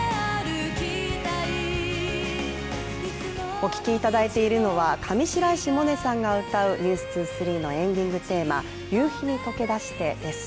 お聴きいただいているのは、上白石萌音さんが歌う「ｎｅｗｓ２３」のエンディングテーマ「夕陽に溶け出して」です。